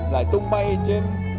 lại tung bay trên